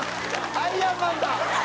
アイアンマンだ！